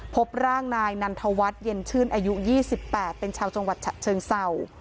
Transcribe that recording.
พบร่างนายนันทวัฒน์เย็นชื่นอายุ๒๘เป็นชาวจังหวัดฉะเชิงเศร้า